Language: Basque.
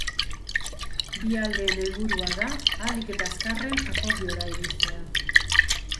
Bi aldeen helburua da ahalik eta azkarren akordiora iristea.